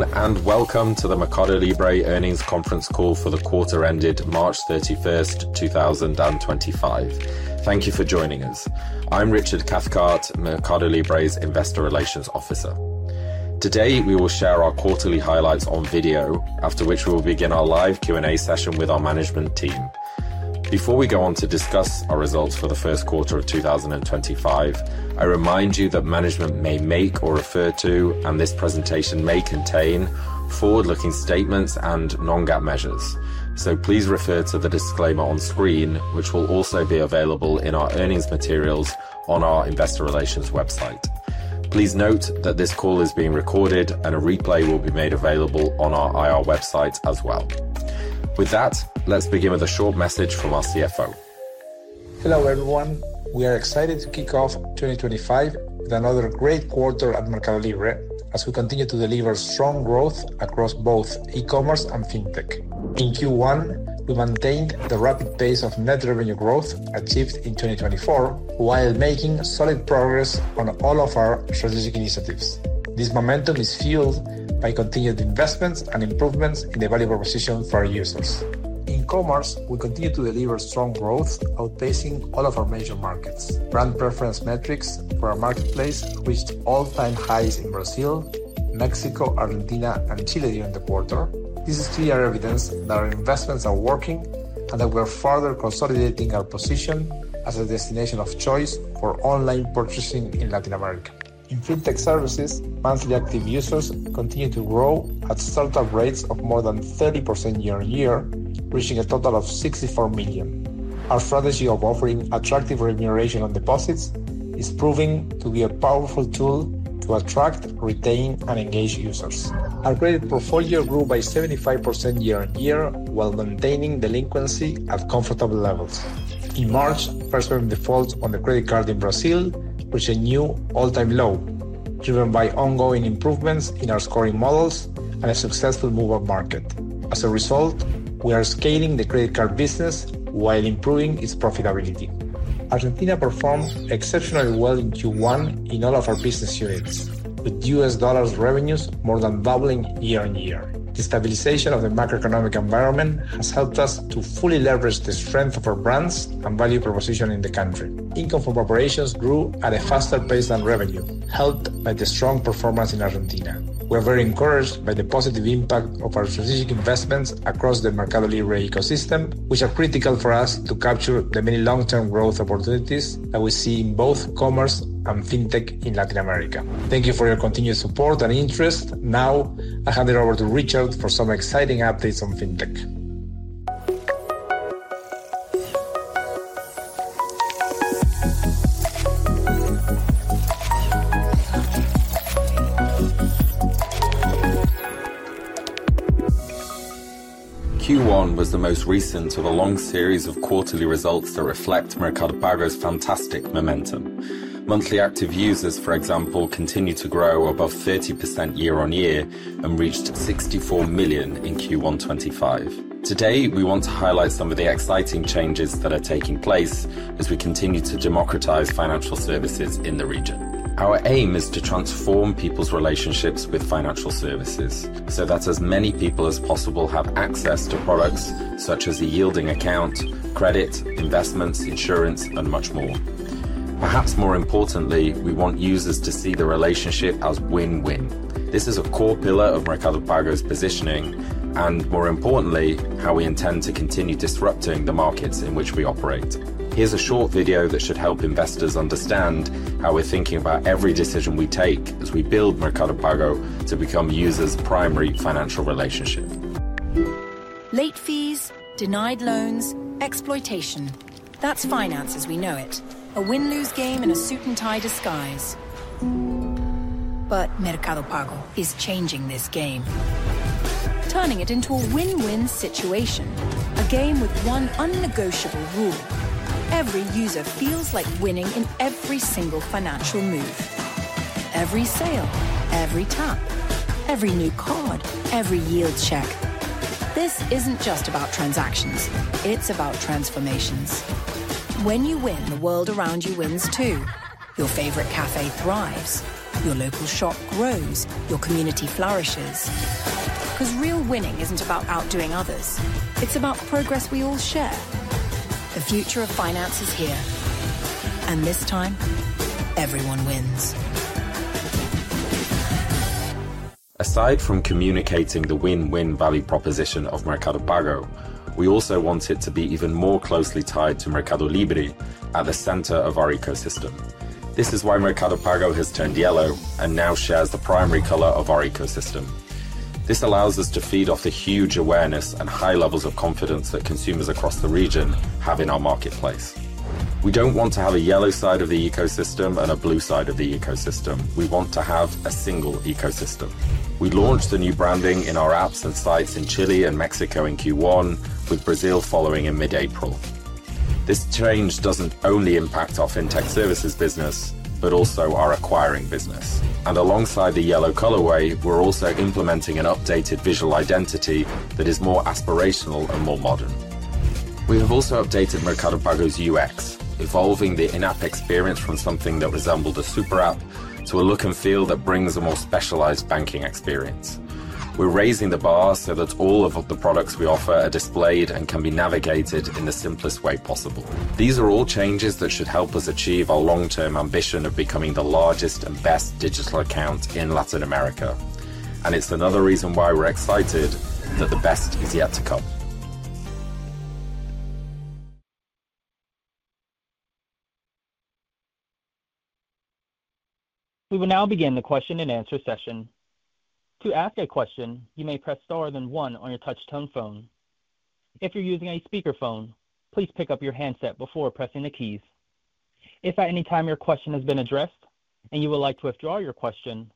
Welcome to the MercadoLibre earnings conference call for the quarter ended March 31, 2025. Thank you for joining us. I'm Richard Cathcart, MercadoLibre's Investor Relations Officer. Today we will share our quarterly highlights on video, after which we will begin our live Q&A session with our management team. Before we go on to discuss our results for the first quarter of 2025, I remind you that management may make or refer to, and this presentation may contain, forward-looking statements and non-GAAP measures. Please refer to the disclaimer on screen, which will also be available in our earnings materials on our Investor Relations website. Please note that this call is being recorded, and a replay will be made available on our IR website as well. With that, let's begin with a short message from our CFO. Hello everyone. We are excited to kick off 2025 with another great quarter at MercadoLibre as we continue to deliver strong growth across both e-commerce and fintech. In Q1, we maintained the rapid pace of net revenue growth achieved in 2024 while making solid progress on all of our strategic initiatives. This momentum is fueled by continued investments and improvements in the value proposition for our users. In e-commerce, we continue to deliver strong growth, outpacing all of our major markets. Brand preference metrics for our marketplace reached all-time highs in Brazil, Mexico, Argentina, and Chile during the quarter. This is clear evidence that our investments are working and that we are further consolidating our position as a destination of choice for online purchasing in Latin America. In fintech services, monthly active users continue to grow at startup rates of more than 30% year on year, reaching a total of 64 million. Our strategy of offering attractive remuneration on deposits is proving to be a powerful tool to attract, retain, and engage users. Our credit portfolio grew by 75% year-on-year while maintaining delinquency at comfortable levels. In March, first-term defaults on the credit card in Brazil reached a new all-time low, driven by ongoing improvements in our scoring models and a successful move-up market. As a result, we are scaling the credit card business while improving its profitability. Argentina performed exceptionally well in Q1 in all of our business units, with $ revenues more than doubling year on year. The stabilization of the macroeconomic environment has helped us to fully leverage the strength of our brands and value proposition in the country. Income from operations grew at a faster pace than revenue, helped by the strong performance in Argentina. We are very encouraged by the positive impact of our strategic investments across the MercadoLibre ecosystem, which are critical for us to capture the many long-term growth opportunities that we see in both commerce and fintech in Latin America. Thank you for your continued support and interest. Now, I hand it over to Richard for some exciting updates on fintech. Q1 was the most recent of a long series of quarterly results that reflect MercadoPago's fantastic momentum. Monthly active users, for example, continued to grow above 30% year-on-year and reached 64 million in Q1 2025. Today, we want to highlight some of the exciting changes that are taking place as we continue to democratize financial services in the region. Our aim is to transform people's relationships with financial services so that as many people as possible have access to products such as a yielding account, credit, investments, insurance, and much more. Perhaps more importantly, we want users to see the relationship as win-win. This is a core pillar of MercadoPago's positioning and, more importantly, how we intend to continue disrupting the markets in which we operate. Here's a short video that should help investors understand how we're thinking about every decision we take as we build MercadoPago to become users' primary financial relationship. Late fees, denied loans, exploitation. That's finance as we know it. A win-lose game in a suit-and-tie disguise. MercadoPago is changing this game, turning it into a win-win situation. A game with one unnegotiable rule: every user feels like winning in every single financial move. Every sale, every tap, every new card, every yield check. This isn't just about transactions. It's about transformations. When you win, the world around you wins too. Your favorite café thrives, your local shop grows, your community flourishes. Real winning isn't about outdoing others. It's about progress we all share. The future of finance is here, and this time, everyone wins. Aside from communicating the win-win value proposition of MercadoPago, we also want it to be even more closely tied to MercadoLibre at the center of our ecosystem. This is why MercadoPago has turned yellow and now shares the primary color of our ecosystem. This allows us to feed off the huge awareness and high levels of confidence that consumers across the region have in our marketplace. We do not want to have a yellow side of the ecosystem and a blue side of the ecosystem. We want to have a single ecosystem. We launched the new branding in our apps and sites in Chile and Mexico in Q1, with Brazil following in mid-April. This change does not only impact our fintech services business, but also our acquiring business. Alongside the yellow colorway, we are also implementing an updated visual identity that is more aspirational and more modern. We have also updated MercadoPago's UX, evolving the in-app experience from something that resembled a super app to a look and feel that brings a more specialized banking experience. We are raising the bar so that all of the products we offer are displayed and can be navigated in the simplest way possible. These are all changes that should help us achieve our long-term ambition of becoming the largest and best digital account in Latin America. It is another reason why we are excited that the best is yet to come. We will now begin the question-and-answer session. To ask a question, you may press star then one on your touch-tone phone. If you're using a speakerphone, please pick up your handset before pressing the keys. If at any time your question has been addressed and you would like to withdraw your question,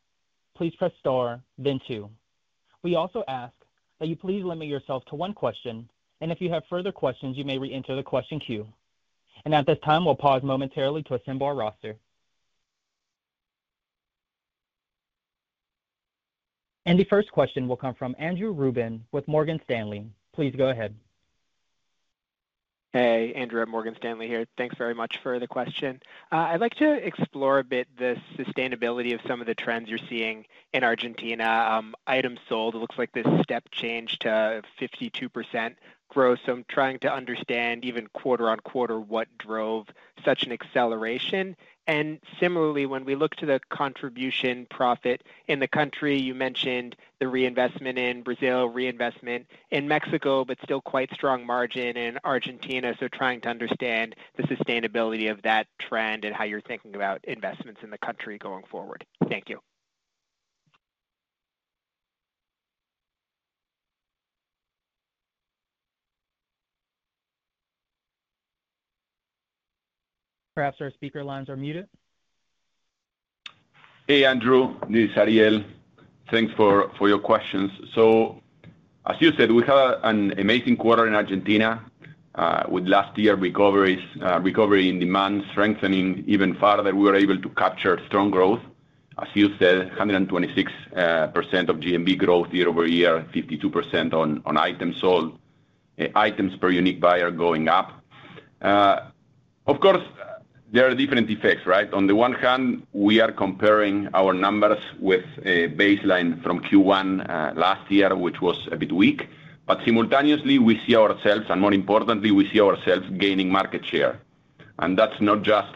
please press star, then two. We also ask that you please limit yourself to one question, and if you have further questions, you may re-enter the question queue. At this time, we'll pause momentarily to assemble our roster. The first question will come from Andrew Rubin with Morgan Stanley. Please go ahead. Hey, Andrew. Morgan Stanley here. Thanks very much for the question. I'd like to explore a bit the sustainability of some of the trends you're seeing in Argentina. Items sold, it looks like this step changed to 52% growth. So I'm trying to understand even quarter on quarter what drove such an acceleration. And similarly, when we look to the contribution profit in the country, you mentioned the reinvestment in Brazil, reinvestment in Mexico, but still quite strong margin in Argentina. So trying to understand the sustainability of that trend and how you're thinking about investments in the country going forward. Thank you. Perhaps our speaker lines are muted. Hey, Andrew. This is Ariel. Thanks for your questions. As you said, we had an amazing quarter in Argentina with last year recovery in demand strengthening even further. We were able to capture strong growth. As you said, 126% of GMV growth year over year, 52% on items sold, items per unique buyer going up. Of course, there are different effects. On the one hand, we are comparing our numbers with a baseline from Q1 last year, which was a bit weak. Simultaneously, we see ourselves, and more importantly, we see ourselves gaining market share. That is not just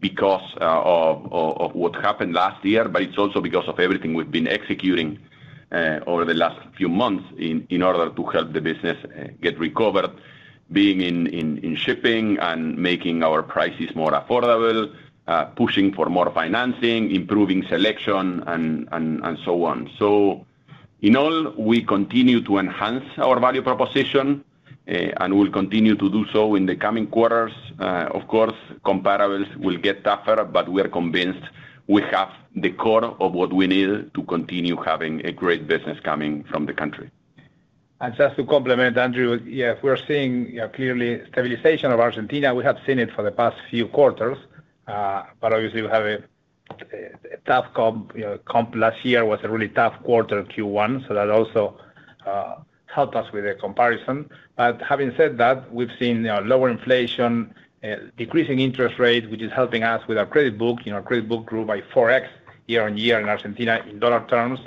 because of what happened last year, but it is also because of everything we have been executing over the last few months in order to help the business get recovered, being in shipping and making our prices more affordable, pushing for more financing, improving selection, and so on. In all, we continue to enhance our value proposition and will continue to do so in the coming quarters. Of course, comparables will get tougher, but we are convinced we have the core of what we need to continue having a great business coming from the country. Just to complement, Andrew, yeah, we're seeing clearly stabilization of Argentina. We have seen it for the past few quarters, but obviously we have a tough comp. Comp last year was a really tough quarter of Q1, so that also helped us with the comparison. Having said that, we've seen lower inflation, decreasing interest rates, which is helping us with our credit book. Our credit book grew by 4x year on year in Argentina in dollar terms.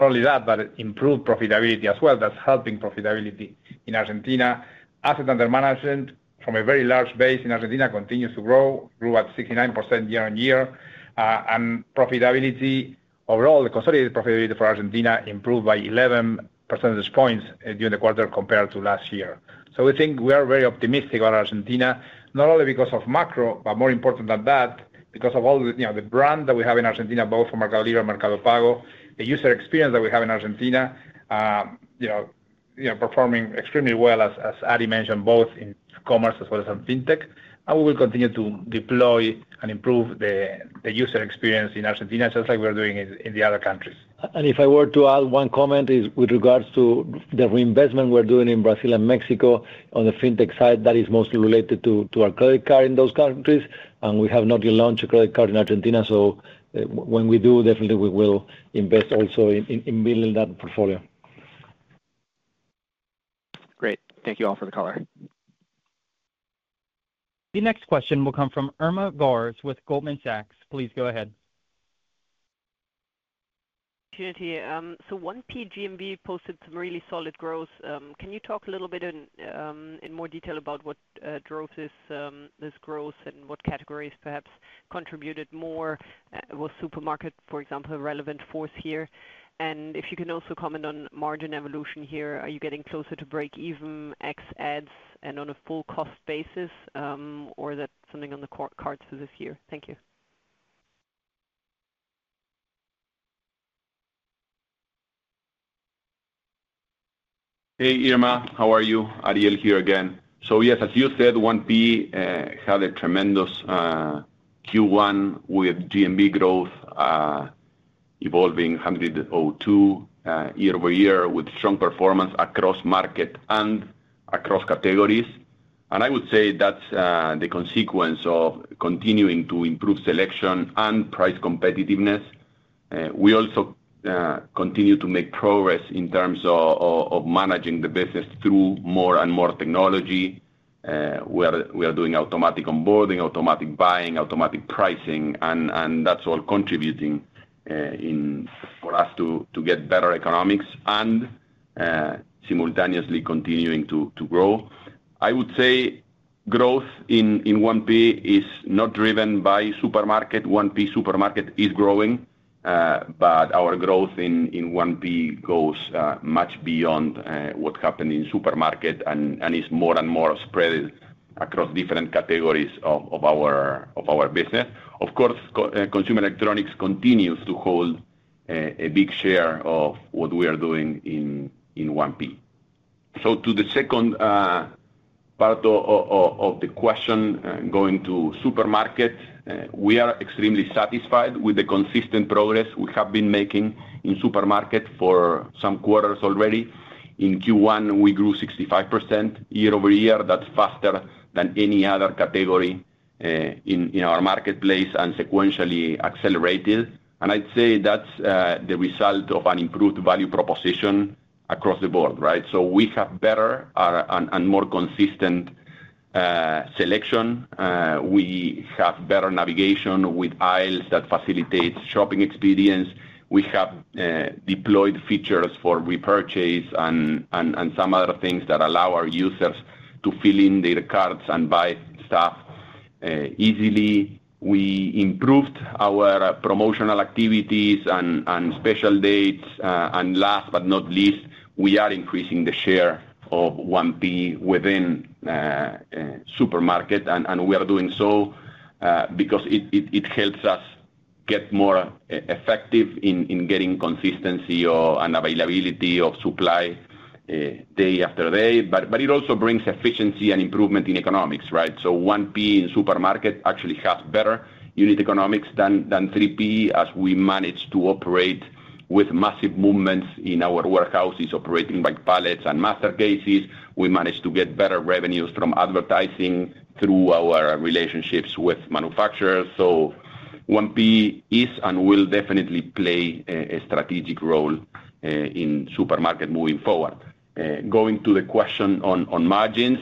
Not only that, but improved profitability as well. That's helping profitability in Argentina. Asset under management from a very large base in Argentina continues to grow, grew at 69% year on year. Profitability overall, the consolidated profitability for Argentina improved by 11 percentage points during the quarter compared to last year. We think we are very optimistic about Argentina, not only because of macro, but more important than that, because of all the brand that we have in Argentina, both from MercadoLibre and MercadoPago, the user experience that we have in Argentina performing extremely well, as Ari mentioned, both in commerce as well as in fintech. We will continue to deploy and improve the user experience in Argentina, just like we are doing in the other countries. If I were to add one comment with regards to the reinvestment we are doing in Brazil and Mexico on the fintech side, that is mostly related to our credit card in those countries. We have not yet launched a credit card in Argentina. When we do, definitely we will invest also in building that portfolio. Great. Thank you all for the color. The next question will come from Irma Gars with Goldman Sachs. Please go ahead. 1P GMV posted some really solid growth. Can you talk a little bit in more detail about what drove this growth and what categories perhaps contributed more? Was supermarket, for example, a relevant force here? If you can also comment on margin evolution here, are you getting closer to break-even, ex-eds, and on a full-cost basis, or is that something on the cards for this year? Thank you. Hey, Irma. How are you? Ariel here again. Yes, as you said, 1P had a tremendous Q1 with GMV growth evolving 102% year over year with strong performance across market and across categories. I would say that's the consequence of continuing to improve selection and price competitiveness. We also continue to make progress in terms of managing the business through more and more technology. We are doing automatic onboarding, automatic buying, automatic pricing, and that's all contributing for us to get better economics and simultaneously continuing to grow. I would say growth in 1P is not driven by supermarket. 1P supermarket is growing, but our growth in 1P goes much beyond what happened in supermarket and is more and more spread across different categories of our business. Of course, consumer electronics continues to hold a big share of what we are doing in 1P. To the second part of the question going to supermarket, we are extremely satisfied with the consistent progress we have been making in supermarket for some quarters already. In Q1, we grew 65% year over year. That is faster than any other category in our marketplace and sequentially accelerated. I would say that is the result of an improved value proposition across the board. We have better and more consistent selection. We have better navigation with aisles that facilitate shopping experience. We have deployed features for repurchase and some other things that allow our users to fill in their carts and buy stuff easily. We improved our promotional activities and special dates. Last but not least, we are increasing the share of 1P within supermarket. We are doing so because it helps us get more effective in getting consistency and availability of supply day after day. It also brings efficiency and improvement in economics. 1P in supermarket actually has better unit economics than 3P as we manage to operate with massive movements in our warehouses operating by pallets and master cases. We manage to get better revenues from advertising through our relationships with manufacturers. 1P is and will definitely play a strategic role in supermarket moving forward. Going to the question on margins,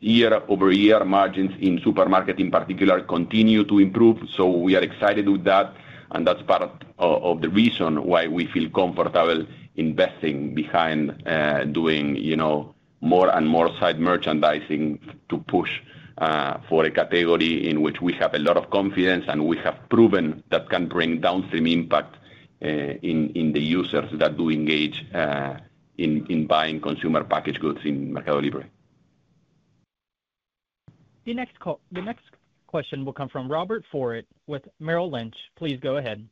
year over year, margins in supermarket in particular continue to improve. We are excited with that. That is part of the reason why we feel comfortable investing behind doing more and more side merchandising to push for a category in which we have a lot of confidence and we have proven that can bring downstream impact in the users that do engage in buying consumer packaged goods in MercadoLibre. The next question will come from Robert Foreitt with Merrill Lynch. Please go ahead.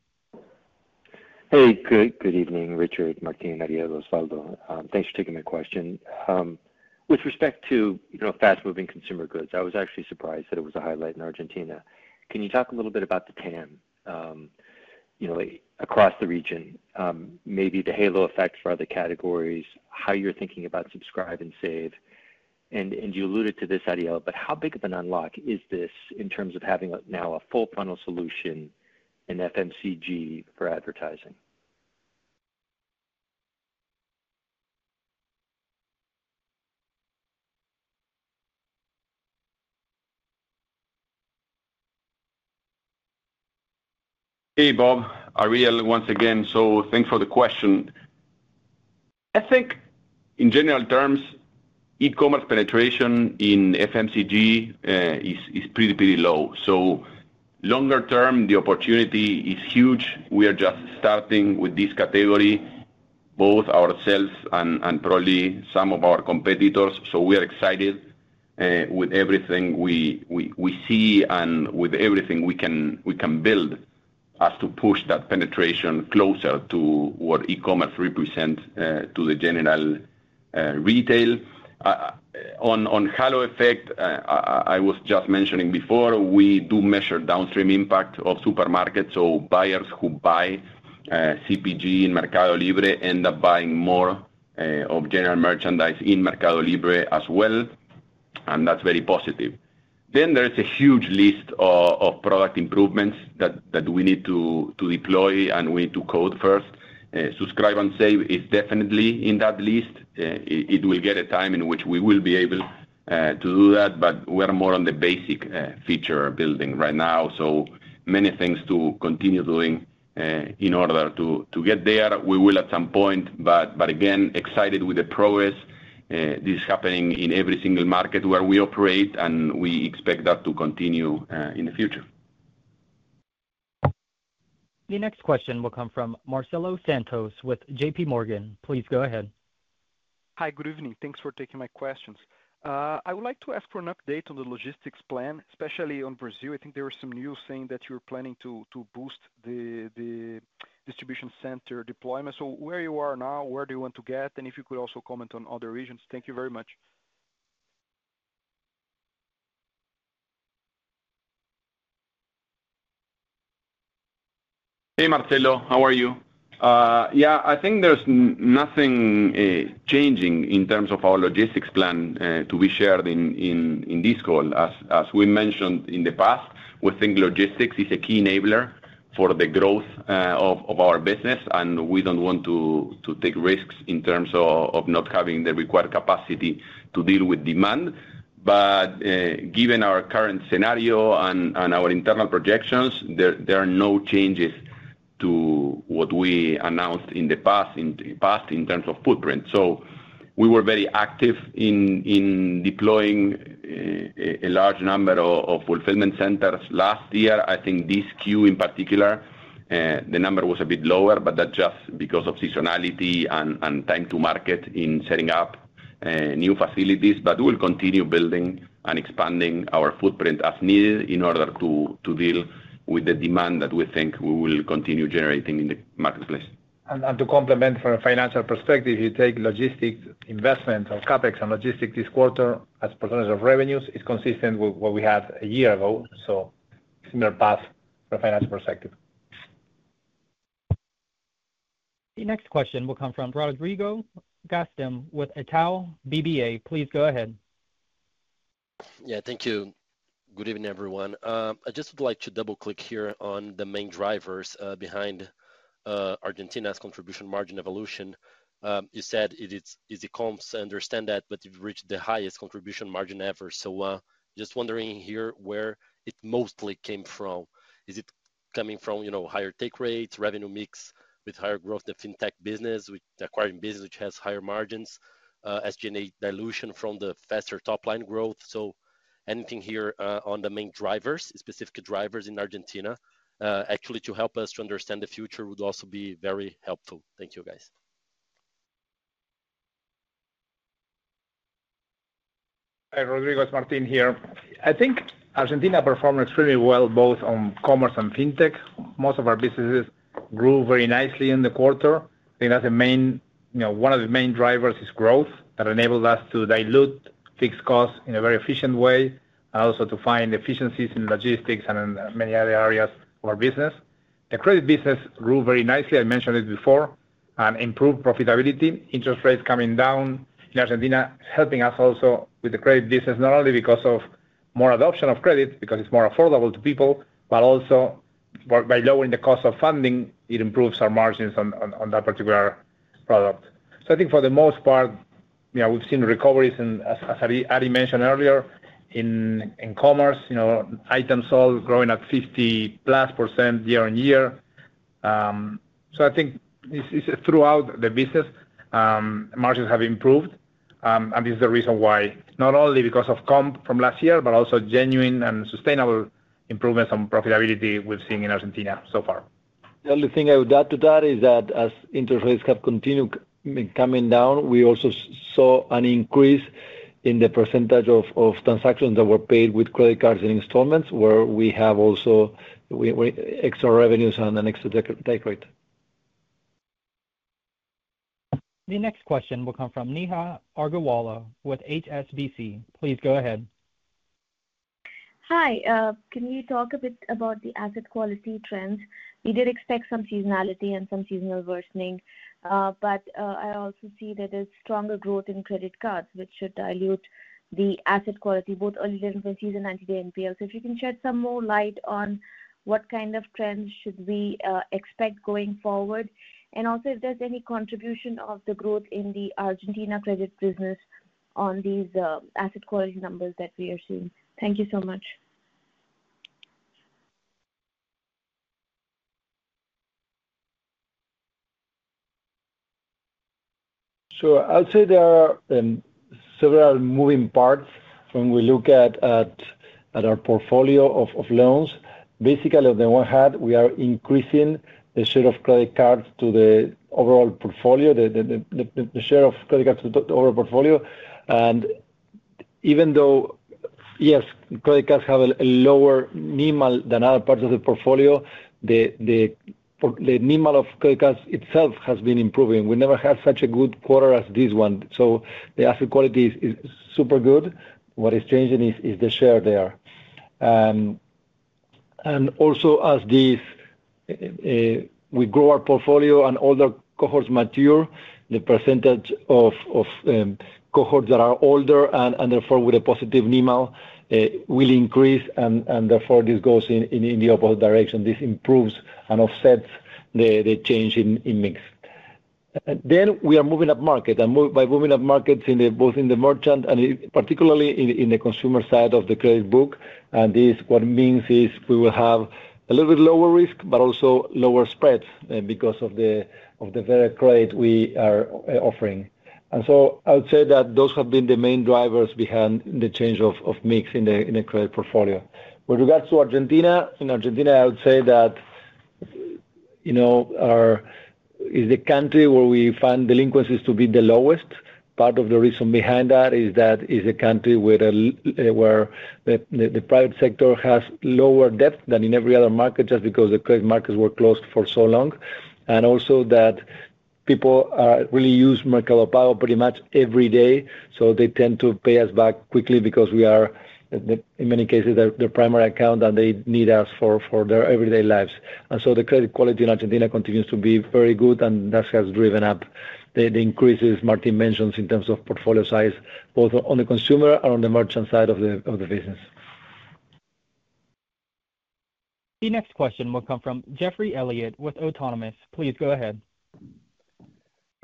Hey, good evening, Richard, Martín, Ariel, Osvaldo. Thanks for taking my question. With respect to fast-moving consumer goods, I was actually surprised that it was a highlight in Argentina. Can you talk a little bit about the TAM across the region, maybe the halo effect for other categories, how you're thinking about subscribe and save? You alluded to this, Ariel, but how big of an unlock is this in terms of having now a full-funnel solution in FMCG for advertising? Hey, Bob, Ariel, once again, so thanks for the question. I think in general terms, e-commerce penetration in FMCG is pretty, pretty low. Longer term, the opportunity is huge. We are just starting with this category, both ourselves and probably some of our competitors. We are excited with everything we see and with everything we can build as to push that penetration closer to what e-commerce represents to the general retail. On halo effect, I was just mentioning before, we do measure downstream impact of supermarkets. Buyers who buy CPG in MercadoLibre end up buying more of general merchandise in MercadoLibre as well. That is very positive. There is a huge list of product improvements that we need to deploy and we need to code first. Subscribe and save is definitely in that list. It will get a time in which we will be able to do that, but we are more on the basic feature building right now. So many things to continue doing in order to get there. We will at some point, but again, excited with the progress. This is happening in every single market where we operate, and we expect that to continue in the future. The next question will come from Marcelo Santos with JPMorgan. Please go ahead. Hi, good evening. Thanks for taking my questions. I would like to ask for an update on the logistics plan, especially on Brazil. I think there were some news saying that you're planning to boost the distribution center deployment. Where you are now, where do you want to get, and if you could also comment on other regions. Thank you very much. Hey, Marcelo, how are you? Yeah, I think there's nothing changing in terms of our logistics plan to be shared in this call. As we mentioned in the past, we think logistics is a key enabler for the growth of our business, and we don't want to take risks in terms of not having the required capacity to deal with demand. Given our current scenario and our internal projections, there are no changes to what we announced in the past in terms of footprint. We were very active in deploying a large number of fulfillment centers last year. I think this Q in particular, the number was a bit lower, but that's just because of seasonality and time to market in setting up new facilities. We will continue building and expanding our footprint as needed in order to deal with the demand that we think we will continue generating in the marketplace. To complement from a financial perspective, if you take logistics investment or Capex and logistics this quarter as percentage of revenues, it's consistent with what we had a year ago. Similar path from a financial perspective. The next question will come from Rodrigo Gastem with Itaú BBA. Please go ahead. Yeah, thank you. Good evening, everyone. I just would like to double-click here on the main drivers behind Argentina's contribution margin evolution. You said it is easy comps, I understand that, but you've reached the highest contribution margin ever. Just wondering here where it mostly came from. Is it coming from higher take rates, revenue mix with higher growth, the fintech business, the acquiring business which has higher margins, SG&A dilution from the faster top-line growth? Anything here on the main drivers, specific drivers in Argentina, actually to help us to understand the future would also be very helpful. Thank you, guys. Hi, Rodrigo Martín here. I think Argentina performed extremely well both on commerce and fintech. Most of our businesses grew very nicely in the quarter. I think that's one of the main drivers is growth that enabled us to dilute fixed costs in a very efficient way and also to find efficiencies in logistics and many other areas of our business. The credit business grew very nicely. I mentioned it before, and improved profitability, interest rates coming down in Argentina, helping us also with the credit business, not only because of more adoption of credit, because it's more affordable to people, but also by lowering the cost of funding, it improves our margins on that particular product. I think for the most part, we've seen recoveries, as Ari mentioned earlier, in commerce, items all growing at 50+% year on year. I think throughout the business, margins have improved. This is the reason why, not only because of comp from last year, but also genuine and sustainable improvements on profitability we've seen in Argentina so far. The only thing I would add to that is that as interest rates have continued coming down, we also saw an increase in the percentage of transactions that were paid with credit cards and installments, where we have also extra revenues and an extra take rate. The next question will come from Niha Arguala with HSBC. Please go ahead. Hi. Can you talk a bit about the asset quality trends? We did expect some seasonality and some seasonal worsening, but I also see that there's stronger growth in credit cards, which should dilute the asset quality both earlier in the season and today in PL. If you can shed some more light on what kind of trends should we expect going forward, and also if there's any contribution of the growth in the Argentina credit business on these asset quality numbers that we are seeing. Thank you so much. I'll say there are several moving parts when we look at our portfolio of loans. Basically, on the one hand, we are increasing the share of credit cards to the overall portfolio. And even though, yes, credit cards have a lower NIML than other parts of the portfolio, the NIML of credit cards itself has been improving. We never had such a good quarter as this one. The asset quality is super good. What is changing is the share there. Also, as we grow our portfolio and older cohorts mature, the percentage of cohorts that are older and therefore with a positive NIML will increase, and therefore this goes in the opposite direction. This improves and offsets the change in mix. We are moving up market. By moving up markets, both in the merchant and particularly in the consumer side of the credit book. What it means is we will have a little bit lower risk, but also lower spreads because of the better credit we are offering. I would say that those have been the main drivers behind the change of mix in the credit portfolio. With regards to Argentina, in Argentina, I would say that is the country where we find delinquencies to be the lowest. Part of the reason behind that is that it is a country where the private sector has lower debt than in every other market just because the credit markets were closed for so long. Also, people really use MercadoPago pretty much every day. They tend to pay us back quickly because we are, in many cases, their primary account that they need us for their everyday lives. The credit quality in Argentina continues to be very good, and that has driven up the increases Martín mentioned in terms of portfolio size, both on the consumer and on the merchant side of the business. The next question will come from Jeffrey Elliott with Autonomous. Please go ahead.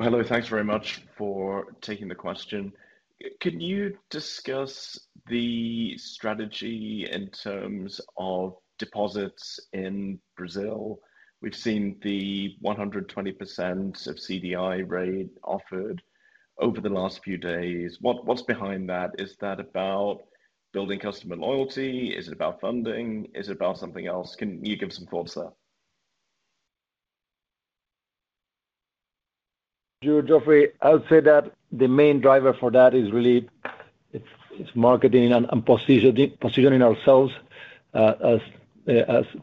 Hello, thanks very much for taking the question. Can you discuss the strategy in terms of deposits in Brazil? We've seen the 120% of CDI rate offered over the last few days. What's behind that? Is that about building customer loyalty? Is it about funding? Is it about something else? Can you give some thoughts there? Jeffrey, I would say that the main driver for that is really marketing and positioning ourselves as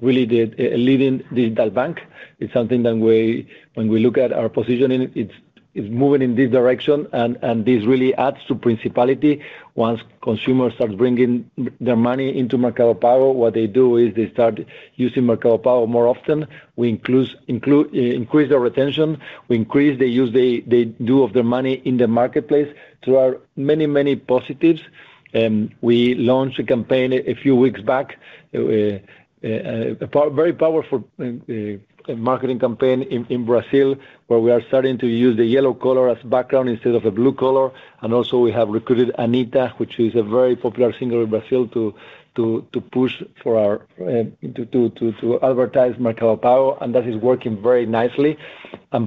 really the leading digital bank. It's something that when we look at our positioning, it's moving in this direction, and this really adds to principality. Once consumers start bringing their money into MercadoPago, what they do is they start using MercadoPago more often. We increase their retention. We increase the use they do of their money in the marketplace. There are many, many positives. We launched a campaign a few weeks back, a very powerful marketing campaign in Brazil, where we are starting to use the yellow color as background instead of the blue color. We have recruited Anita, which is a very popular singer in Brazil, to push for our to advertise MercadoPago. That is working very nicely.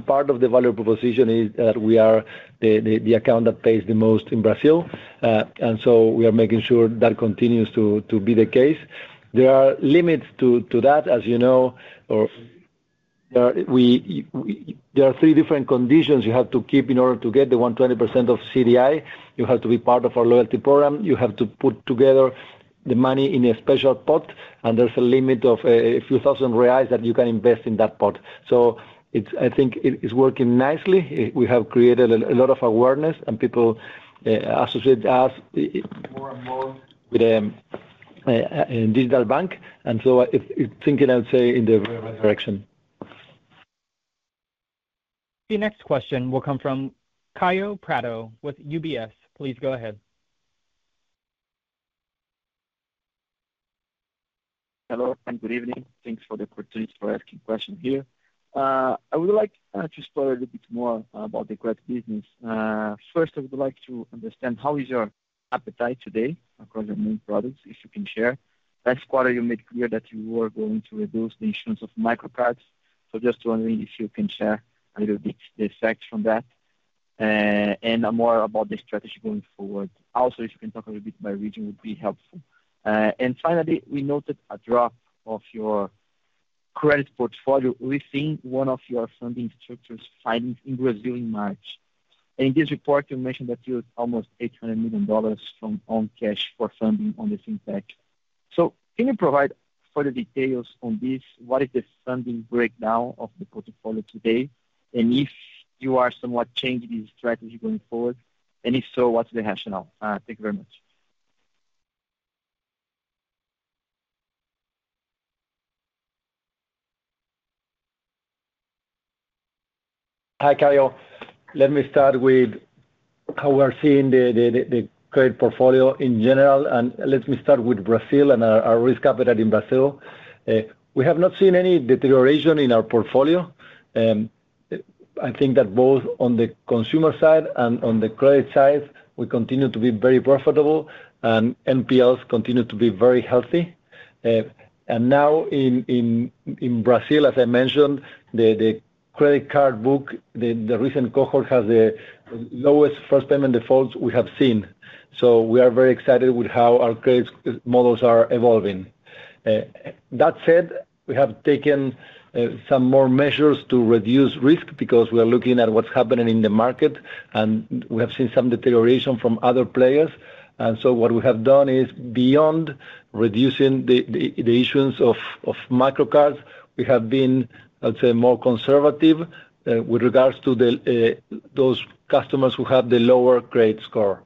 Part of the value proposition is that we are the account that pays the most in Brazil. We are making sure that continues to be the case. There are limits to that, as you know. There are three different conditions you have to keep in order to get the 120% of CDI. You have to be part of our loyalty program. You have to put together the money in a special pot, and there is a limit of a few thousand BRL that you can invest in that pot. I think it is working nicely. We have created a lot of awareness, and people associate us with a digital bank. It is thinking, I would say, in the right direction. The next question will come from Caio Prado with UBS. Please go ahead. Hello, and good evening. Thanks for the opportunity for asking questions here. I would like to explore a little bit more about the credit business. First, I would like to understand how is your appetite today across your main products, if you can share. Last quarter, you made clear that you were going to reduce the issues of microcards. Just wondering if you can share a little bit the effects from that and more about the strategy going forward. Also, if you can talk a little bit by region, it would be helpful. Finally, we noted a drop of your credit portfolio. We've seen one of your funding structures findings in Brazil in March. In this report, you mentioned that you had almost $800 million from own cash for funding on the fintech. Can you provide further details on this? What is the funding breakdown of the portfolio today? If you are somewhat changing the strategy going forward, and if so, what is the rationale? Thank you very much. Hi, Caio. Let me start with how we are seeing the credit portfolio in general. Let me start with Brazil and our risk appetite in Brazil. We have not seen any deterioration in our portfolio. I think that both on the consumer side and on the credit side, we continue to be very profitable, and NPLs continue to be very healthy. Now in Brazil, as I mentioned, the credit card book, the recent cohort has the lowest first payment defaults we have seen. We are very excited with how our credit models are evolving. That said, we have taken some more measures to reduce risk because we are looking at what is happening in the market, and we have seen some deterioration from other players. What we have done is, beyond reducing the issues of microcards, we have been, I would say, more conservative with regards to those customers who have the lower credit score.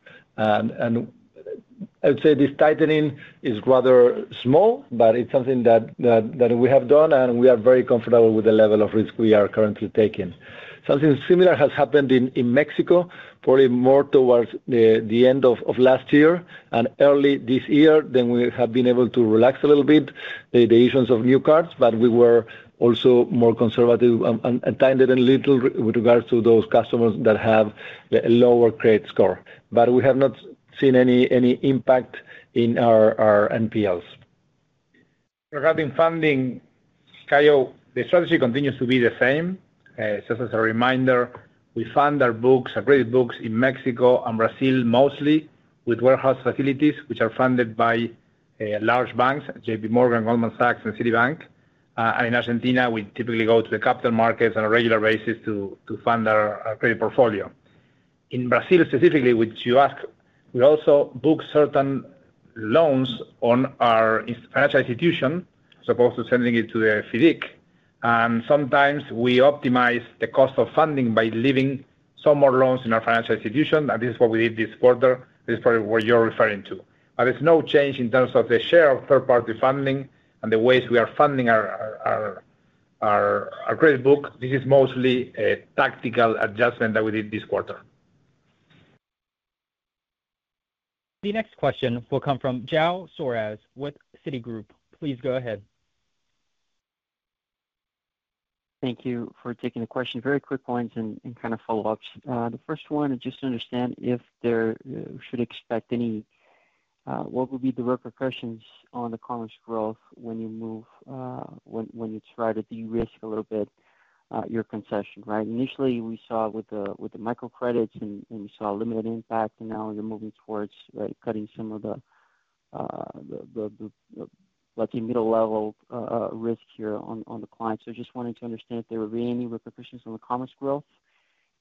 I would say this tightening is rather small, but it is something that we have done, and we are very comfortable with the level of risk we are currently taking. Something similar has happened in Mexico, probably more towards the end of last year and early this year. We have been able to relax a little bit the issues of new cards, but we were also more conservative and tightened a little with regards to those customers that have a lower credit score. We have not seen any impact in our NPLs. Regarding funding, Caio, the strategy continues to be the same. Just as a reminder, we fund our books, our credit books in Mexico and Brazil mostly with warehouse facilities, which are funded by large banks, JPMorgan, Goldman Sachs, and Citigroup. In Argentina, we typically go to the capital markets on a regular basis to fund our credit portfolio. In Brazil specifically, which you asked, we also book certain loans on our financial institution as opposed to sending it to the FIDIC. Sometimes we optimize the cost of funding by leaving some more loans in our financial institution. This is what we did this quarter. This is probably what you're referring to. There is no change in terms of the share of third-party funding and the ways we are funding our credit book. This is mostly a tactical adjustment that we did this quarter. The next question will come from Jao Suarez with Citigroup. Please go ahead. Thank you for taking the question. Very quick points and kind of follow-ups. The first one is just to understand if they should expect any, what would be the repercussions on the commerce growth when you move, when you try to de-risk a little bit your concession, right? Initially, we saw with the microcredits and we saw a limited impact, and now you're moving towards cutting some of the, let's say, middle-level risk here on the client. Just wanting to understand if there would be any repercussions on the commerce growth.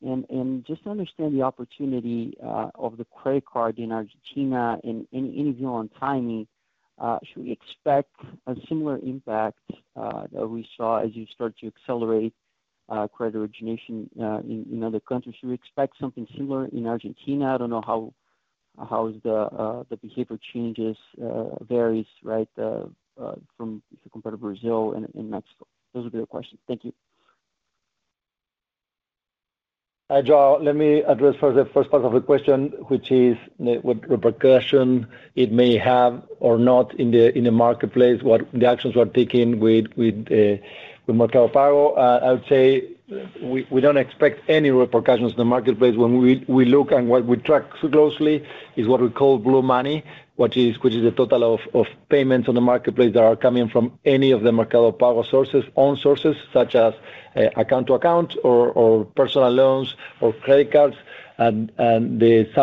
And just to understand the opportunity of the credit card in Argentina and any view on timing, should we expect a similar impact that we saw as you start to accelerate credit origination in other countries? Should we expect something similar in Argentina? I don't know how the behavior changes, varies, right, if you compare to Brazil and Mexico. Those would be the questions. Thank you. Hi, Jao. Let me address first the first part of the question, which is what repercussion it may have or not in the marketplace, what the actions we're taking with MercadoPago. I would say we don't expect any repercussions in the marketplace. When we look and what we track closely is what we call blue money, which is the total of payments on the marketplace that are coming from any of the MercadoPago sources, own sources, such as account to account or personal loans or credit cards. Some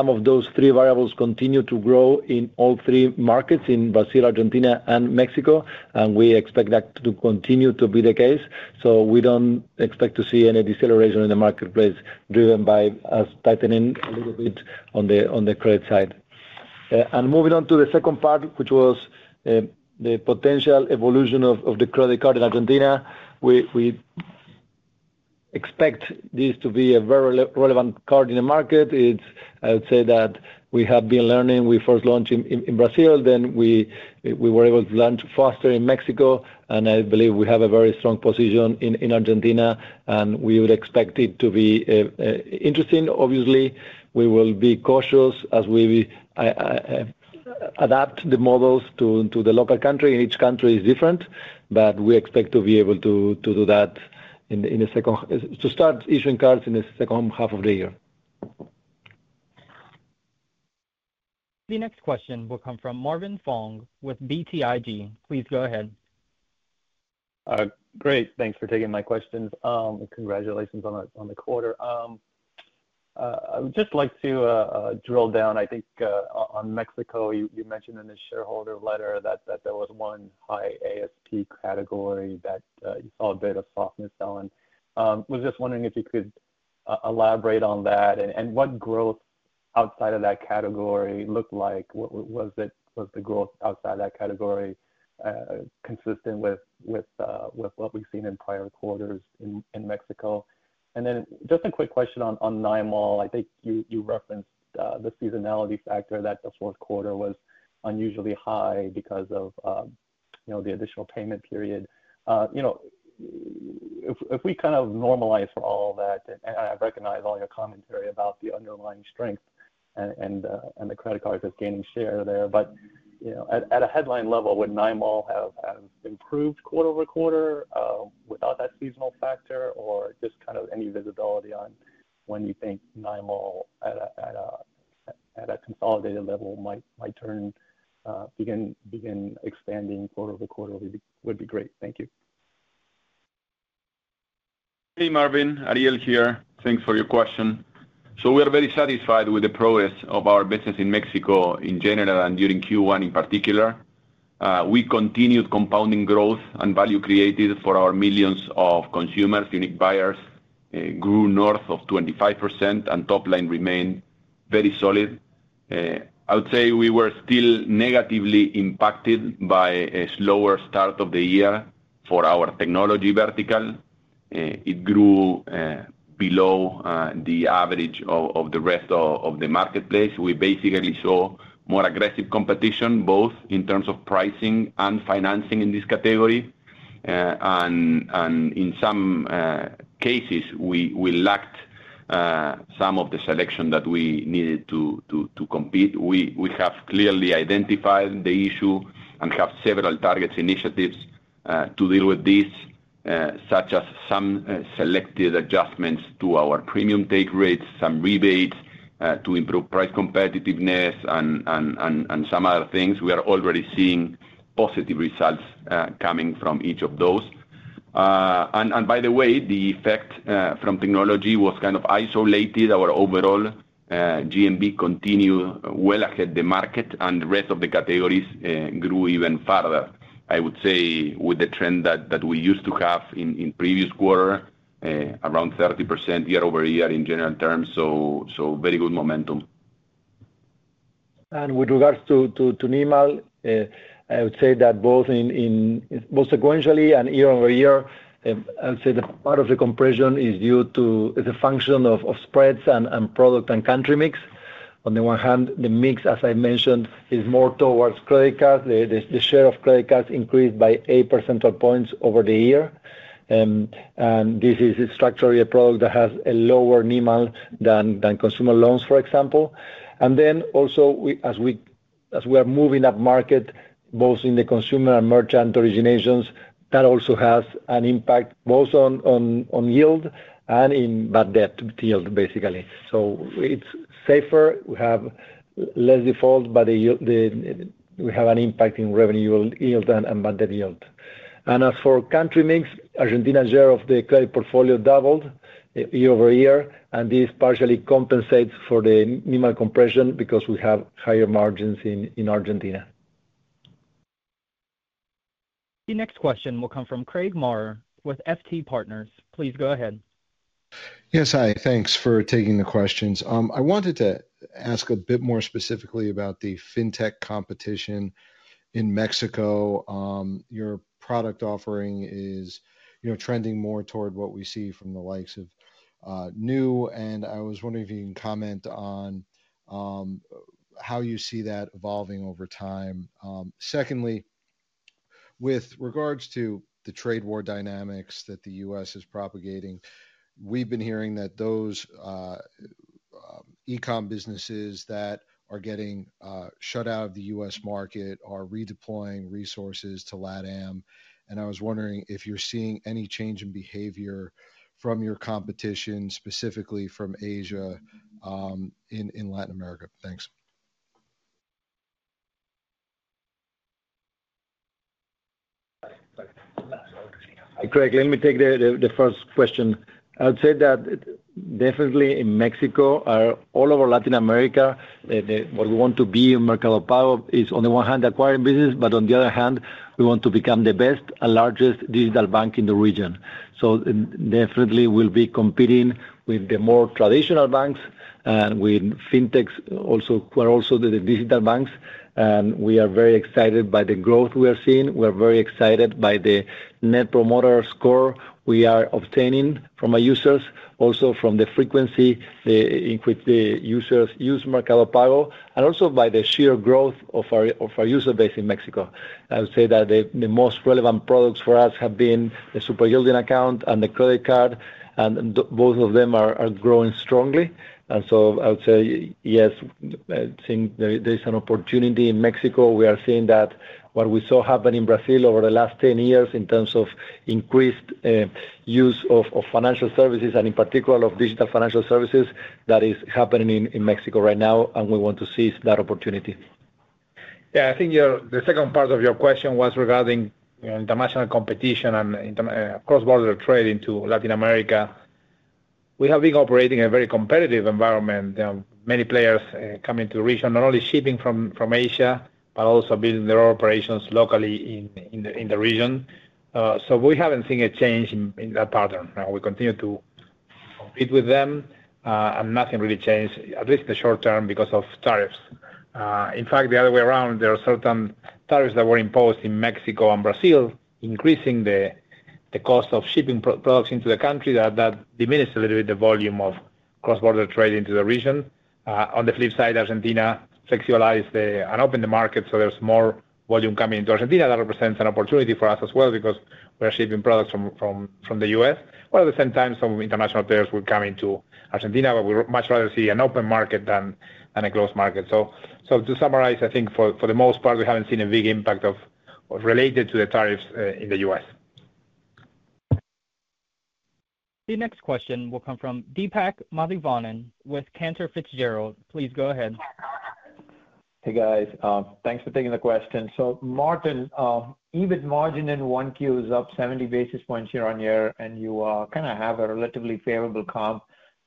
of those three variables continue to grow in all three markets, in Brazil, Argentina, and Mexico. We expect that to continue to be the case. We don't expect to see any deceleration in the marketplace driven by us tightening a little bit on the credit side. Moving on to the second part, which was the potential evolution of the credit card in Argentina. We expect this to be a very relevant card in the market. I would say that we have been learning. We first launched in Brazil. Then we were able to launch faster in Mexico. I believe we have a very strong position in Argentina, and we would expect it to be interesting. Obviously, we will be cautious as we adapt the models to the local country. Each country is different, but we expect to be able to do that in the second to start issuing cards in the second half of the year. The next question will come from Marvin Fong with BTIG. Please go ahead. Great. Thanks for taking my questions. Congratulations on the quarter. I would just like to drill down. I think on Mexico, you mentioned in the shareholder letter that there was one high ASP category that you saw a bit of softness on. I was just wondering if you could elaborate on that and what growth outside of that category looked like. Was the growth outside of that category consistent with what we've seen in prior quarters in Mexico? I have a quick question on NYML. I think you referenced the seasonality factor that the fourth quarter was unusually high because of the additional payment period. If we kind of normalize for all that, and I recognize all your commentary about the underlying strength and the credit cards as gaining share there, but at a headline level, would NIML have improved quarter over quarter without that seasonal factor, or just kind of any visibility on when you think NIML at a consolidated level might begin expanding quarter over quarter would be great. Thank you. Hey, Marvin. Ariel here. Thanks for your question. We are very satisfied with the progress of our business in Mexico in general and during Q1 in particular. We continued compounding growth and value created for our millions of consumers, unique buyers grew north of 25%, and top line remained very solid. I would say we were still negatively impacted by a slower start of the year for our technology vertical. It grew below the average of the rest of the marketplace. We basically saw more aggressive competition, both in terms of pricing and financing in this category. In some cases, we lacked some of the selection that we needed to compete. We have clearly identified the issue and have several targeted initiatives to deal with this, such as some selected adjustments to our premium take rates, some rebates to improve price competitiveness, and some other things. We are already seeing positive results coming from each of those. By the way, the effect from technology was kind of isolated. Our overall GMV continued well ahead of the market, and the rest of the categories grew even further, I would say, with the trend that we used to have in previous quarters, around 30% year over year in general terms. Very good momentum. With regards to NIML, I would say that both sequentially and year over year, part of the compression is due to the function of spreads and product and country mix. On the one hand, the mix, as I mentioned, is more towards credit cards. The share of credit cards increased by 8 percentage points over the year. This is structurally a product that has a lower NIML than consumer loans, for example. As we are moving up market, both in the consumer and merchant originations, that also has an impact both on yield and in bad debt yield, basically. It is safer. We have less default, but we have an impact in revenue yield and bad debt yield. As for country mix, Argentina's share of the credit portfolio doubled year over year, and this partially compensates for the NIML compression because we have higher margins in Argentina. The next question will come from Craig Marr with FT Partners. Please go ahead. Yes, hi. Thanks for taking the questions. I wanted to ask a bit more specifically about the fintech competition in Mexico. Your product offering is trending more toward what we see from the likes of NIML. I was wondering if you can comment on how you see that evolving over time. Secondly, with regards to the trade war dynamics that the U.S. is propagating, we've been hearing that those e-com businesses that are getting shut out of the U.S. market are redeploying resources to Latin America. I was wondering if you're seeing any change in behavior from your competition, specifically from Asia in Latin America. Thanks. Hi, Craig. Let me take the first question. I would say that definitely in Mexico, all over Latin America, what we want to be in MercadoPago is, on the one hand, acquiring business, but on the other hand, we want to become the best and largest digital bank in the region. Definitely we'll be competing with the more traditional banks and with fintechs, also the digital banks. We are very excited by the growth we are seeing. We are very excited by the net promoter score we are obtaining from our users, also from the frequency with which the users use MercadoPago, and also by the sheer growth of our user base in Mexico. I would say that the most relevant products for us have been the super yielding account and the credit card, and both of them are growing strongly. I would say, yes, I think there is an opportunity in Mexico. We are seeing that what we saw happen in Brazil over the last 10 years in terms of increased use of financial services, and in particular of digital financial services, that is happening in Mexico right now, and we want to seize that opportunity. I think the second part of your question was regarding international competition and cross-border trading to Latin America. We have been operating in a very competitive environment. Many players are coming to the region, not only shipping from Asia, but also building their operations locally in the region. We have not seen a change in that pattern. We continue to compete with them, and nothing really changed, at least in the short term, because of tariffs. In fact, the other way around, there are certain tariffs that were imposed in Mexico and Brazil, increasing the cost of shipping products into the country that diminished a little bit the volume of cross-border trading to the region. On the flip side, Argentina flexibilized and opened the market, so there's more volume coming into Argentina. That represents an opportunity for us as well because we are shipping products from the U.S., while at the same time, some international players will come into Argentina, but we'd much rather see an open market than a closed market. To summarize, I think for the most part, we haven't seen a big impact related to the tariffs in the U.S. The next question will come from Deepak Madhivanan with Cantor Fitzgerald. Please go ahead. Hey, guys. Thanks for taking the question. So Martin, even margin in one Q is up 70 basis points year on year, and you kind of have a relatively favorable comp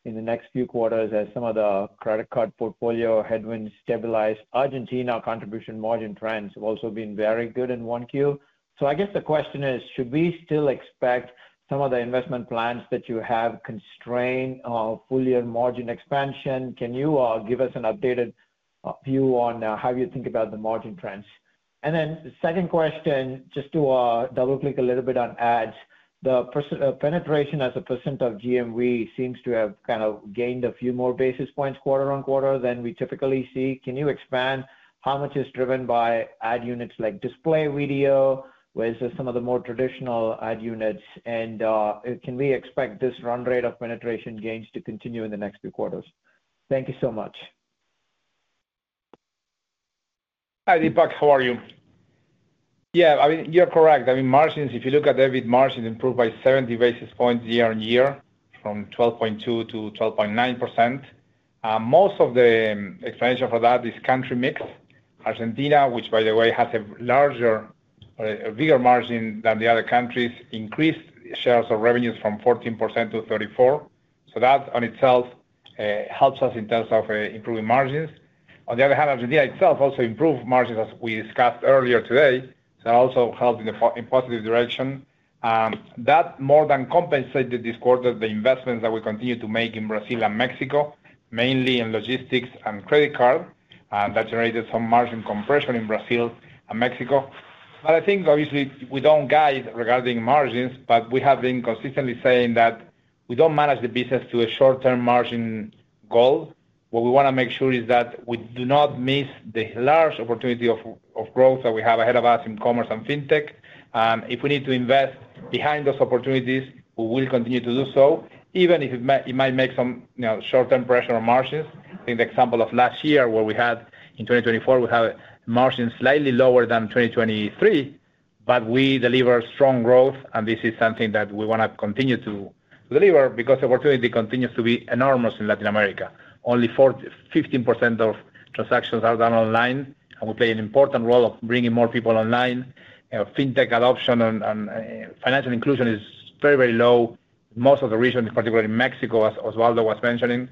in the next few quarters as some of the credit card portfolio headwinds stabilize. Argentina contribution margin trends have also been very good in one Q. I guess the question is, should we still expect some of the investment plans that you have constrain fully your margin expansion? Can you give us an updated view on how you think about the margin trends? The second question, just to double-click a little bit on ads, the penetration as a percent of GMV seems to have kind of gained a few more basis points quarter on quarter than we typically see. Can you expand how much is driven by ad units like display video, versus some of the more traditional ad units? Can we expect this run rate of penetration gains to continue in the next few quarters? Thank you so much. Hi, Deepak. How are you? Yeah, I mean, you're correct. I mean, margins, if you look at EBIT margins, improved by 70 basis points year on year from 12.2% to 12.9%. Most of the exponential for that is country mix. Argentina, which by the way has a bigger margin than the other countries, increased shares of revenues from 14% to 34%. That on itself helps us in terms of improving margins. On the other hand, Argentina itself also improved margins as we discussed earlier today. That also helped in a positive direction. That more than compensated this quarter the investments that we continue to make in Brazil and Mexico, mainly in logistics and credit card. That generated some margin compression in Brazil and Mexico. Obviously, we do not guide regarding margins, but we have been consistently saying that we do not manage the business to a short-term margin goal. What we want to make sure is that we do not miss the large opportunity of growth that we have ahead of us in commerce and fintech. If we need to invest behind those opportunities, we will continue to do so, even if it might make some short-term pressure on margins. I think the example of last year where we had in 2024, we had margins slightly lower than 2023, but we deliver strong growth, and this is something that we want to continue to deliver because the opportunity continues to be enormous in Latin America. Only 15% of transactions are done online, and we play an important role of bringing more people online. Fintech adoption and financial inclusion is very, very low in most of the region, particularly in Mexico, as Osvaldo was mentioning.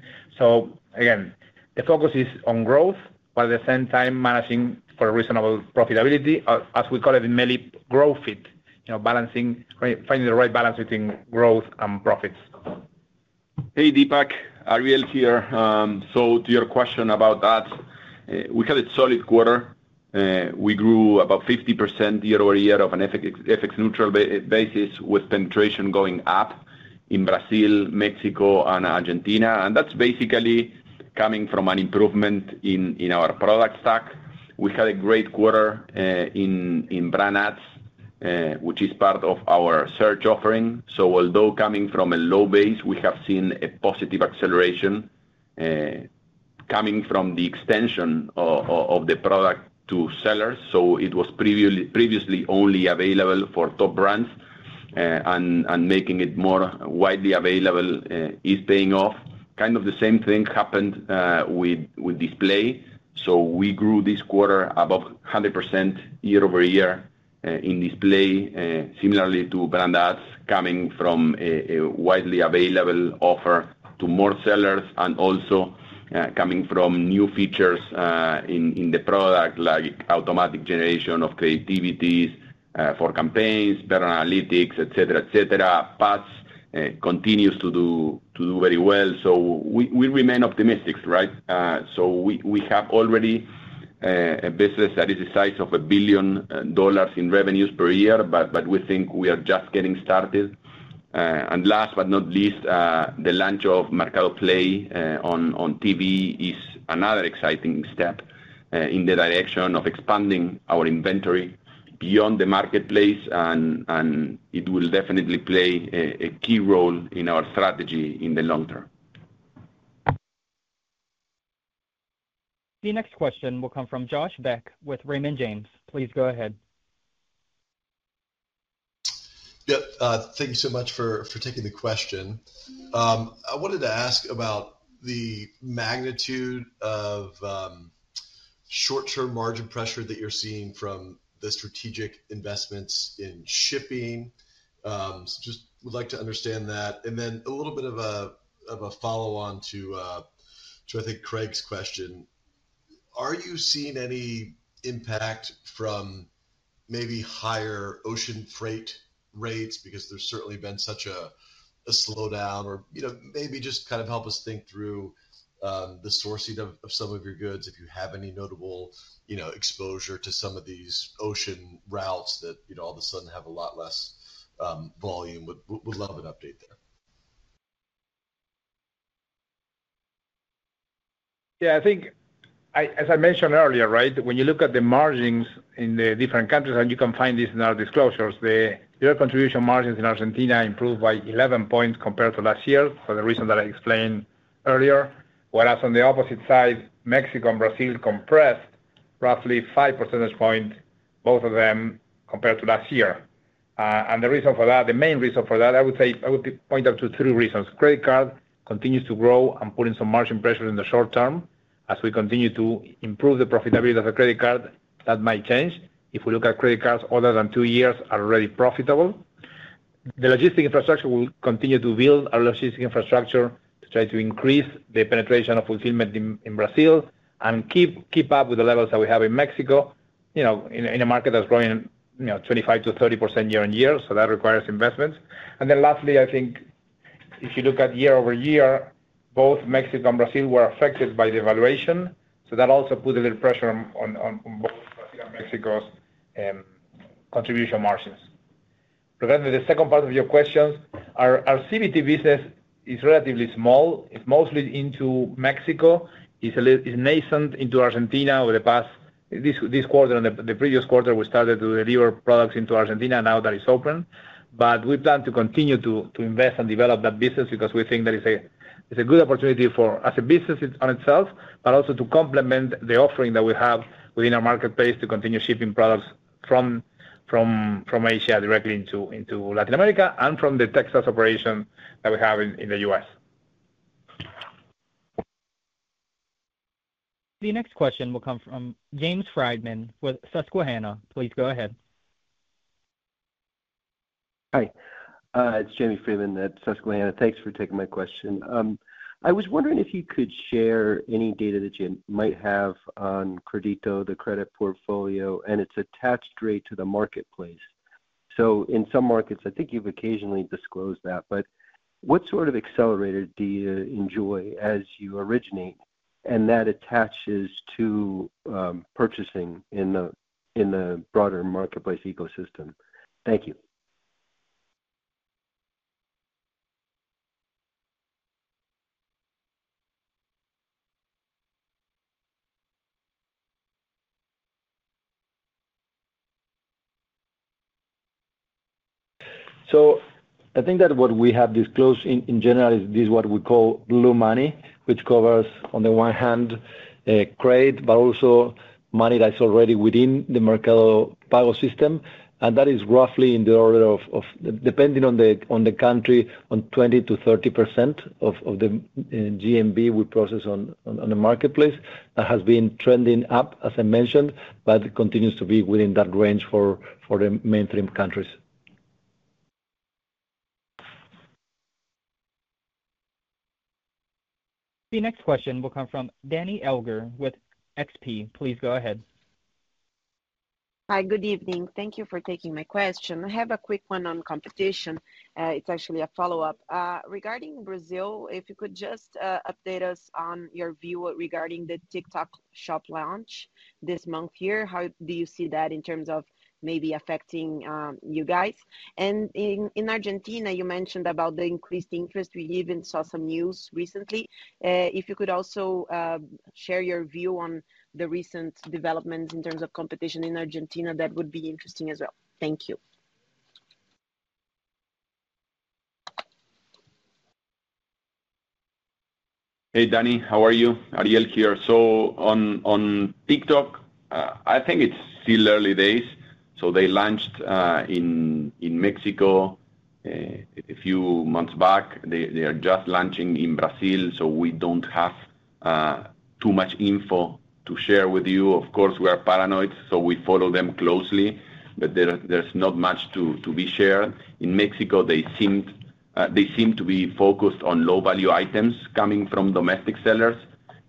Again, the focus is on growth, but at the same time, managing for reasonable profitability, as we call it in MELI, growth fit, balancing, finding the right balance between growth and profits. Hey, Deepak. Ariel here. To your question about ads, we had a solid quarter. We grew about 50% year over year on an FX-neutral basis with penetration going up in Brazil, Mexico, and Argentina. That is basically coming from an improvement in our product stack. We had a great quarter in brand ads, which is part of our search offering. Although coming from a low base, we have seen a positive acceleration coming from the extension of the product to sellers. It was previously only available for top brands, and making it more widely available is paying off. Kind of the same thing happened with display. We grew this quarter above 100% year over year in display, similarly to brand ads coming from a widely available offer to more sellers, and also coming from new features in the product like automatic generation of creativities for campaigns, better analytics, etc., etc. PASS continues to do very well. We remain optimistic, right? We have already a business that is the size of $1 billion in revenues per year, but we think we are just getting started. Last but not least, the launch of MercadoPlay on TV is another exciting step in the direction of expanding our inventory beyond the marketplace, and it will definitely play a key role in our strategy in the long term. The next question will come from Josh Beck with Raymond James. Please go ahead. Yep. Thank you so much for taking the question. I wanted to ask about the magnitude of short-term margin pressure that you're seeing from the strategic investments in shipping. Just would like to understand that. A little bit of a follow-on to, I think, Craig's question. Are you seeing any impact from maybe higher ocean freight rates? Because there's certainly been such a slowdown. Maybe just kind of help us think through the sourcing of some of your goods, if you have any notable exposure to some of these ocean routes that all of a sudden have a lot less volume. Would love an update there. Yeah, I think, as I mentioned earlier, right, when you look at the margins in the different countries, and you can find this in our disclosures, the direct contribution margins in Argentina improved by 11 percentage points compared to last year, for the reason that I explained earlier. Whereas on the opposite side, Mexico and Brazil compressed roughly 5 percentage points, both of them, compared to last year. The reason for that, the main reason for that, I would point out to three reasons. Credit card continues to grow and put in some margin pressure in the short term. As we continue to improve the profitability of the credit card, that might change. If we look at credit cards older than two years, they are already profitable. The logistic infrastructure will continue to build our logistic infrastructure to try to increase the penetration of fulfillment in Brazil and keep up with the levels that we have in Mexico in a market that's growing 25%-30% year on year. That requires investments. Lastly, I think, if you look at year over year, both Mexico and Brazil were affected by the valuation. That also put a little pressure on both Brazil and Mexico's contribution margins. Regarding the second part of your questions, our CBT business is relatively small. It's mostly into Mexico. It's nascent into Argentina over the past this quarter. In the previous quarter, we started to deliver products into Argentina. Now that it's open. We plan to continue to invest and develop that business because we think that it's a good opportunity as a business on itself, but also to complement the offering that we have within our marketplace to continue shipping products from Asia directly into Latin America and from the Texas operation that we have in the U.S. The next question will come from James Friedman with Susquehanna. Please go ahead. Hi. It's Jamie Freeman at Susquehanna. Thanks for taking my question. I was wondering if you could share any data that you might have on Credito, the credit portfolio, and its attached rate to the marketplace. In some markets, I think you've occasionally disclosed that. What sort of accelerator do you enjoy as you originate, and that attaches to purchasing in the broader marketplace ecosystem? Thank you. I think that what we have disclosed in general is this is what we call blue money, which covers, on the one hand, credit, but also money that's already within the MercadoPago system. That is roughly in the order of, depending on the country, 20-30% of the GMV we process on the marketplace. That has been trending up, as I mentioned, but continues to be within that range for the mainstream countries. The next question will come from Danny Elger with XP. Please go ahead. Hi, good evening. Thank you for taking my question. I have a quick one on competition. It's actually a follow-up. Regarding Brazil, if you could just update us on your view regarding the TikTok Shop launch this month here. How do you see that in terms of maybe affecting you guys? In Argentina, you mentioned about the increased interest. We even saw some news recently. If you could also share your view on the recent developments in terms of competition in Argentina, that would be interesting as well. Thank you. Hey, Danny, how are you? Ariel here. On TikTok, I think it's still early days. They launched in Mexico a few months back. They are just launching in Brazil, so we do not have too much info to share with you. Of course, we are paranoid, so we follow them closely, but there is not much to be shared. In Mexico, they seem to be focused on low-value items coming from domestic sellers.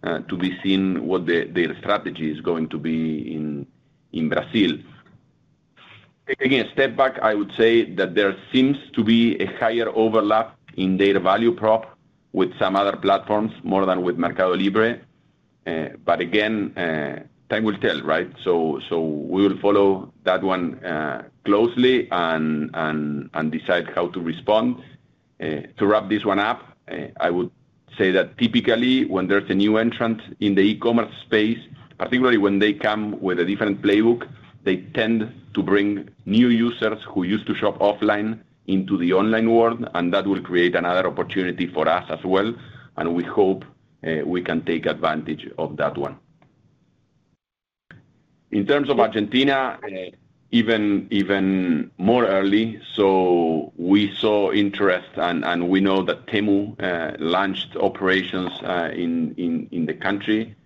It remains to be seen what their strategy is going to be in Brazil. Taking a step back, I would say that there seems to be a higher overlap in their value prop with some other platforms more than with MercadoLibre. Again, time will tell, right? We will follow that one closely and decide how to respond. To wrap this one up, I would say that typically when there's a new entrant in the e-commerce space, particularly when they come with a different playbook, they tend to bring new users who used to shop offline into the online world, and that will create another opportunity for us as well. We hope we can take advantage of that one. In terms of Argentina, even more early, we saw interest, and we know that Temu launched operations in the country.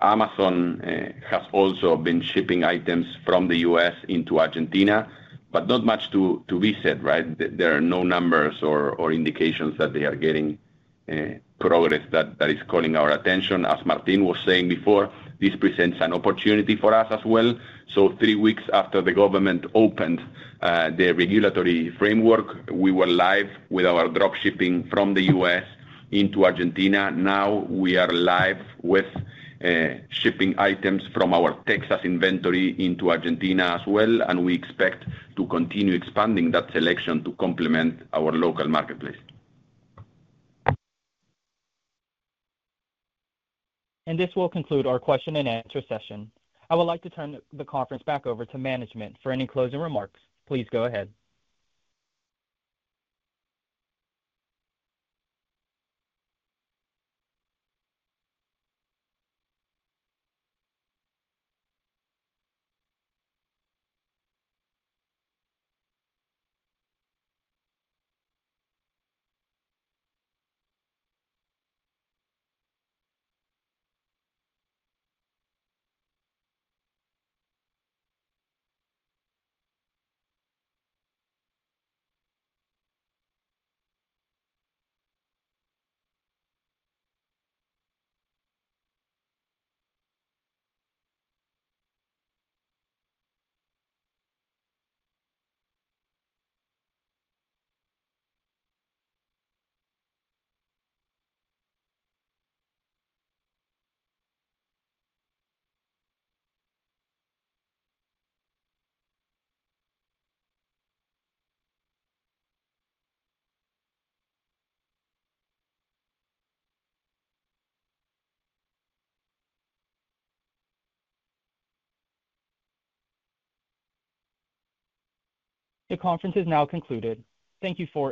Amazon has also been shipping items from the U.S. into Argentina, but not much to be said, right? There are no numbers or indications that they are getting progress that is calling our attention. As Martín was saying before, this presents an opportunity for us as well. Three weeks after the government opened the regulatory framework, we were live with our dropshipping from the U.S. into Argentina. Now we are live with shipping items from our Texas inventory into Argentina as well, and we expect to continue expanding that selection to complement our local marketplace. This will conclude our question-and-answer session. I would like to turn the conference back over to management for any closing remarks. Please go ahead. The conference is now concluded. Thank you.